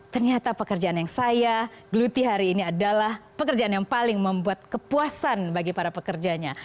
ternyata pekerjaan yang saya geluti hari ini adalah pekerjaan yang paling membuat kepuasan bagi para pekerjanya